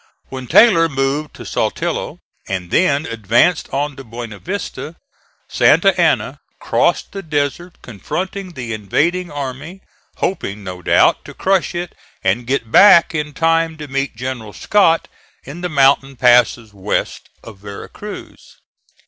When Taylor moved to Saltillo and then advanced on to Buena Vista, Santa Anna crossed the desert confronting the invading army, hoping no doubt to crush it and get back in time to meet General Scott in the mountain passes west of Vera Cruz.